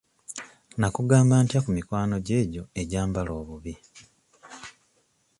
Nakugamba ntya ku mikwano gyo egyo egyambala obubi?